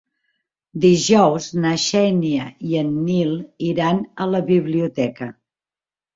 Dijous na Xènia i en Nil iran a la biblioteca.